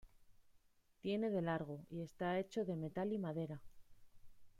Tiene de largo y está hecho de metal y madera.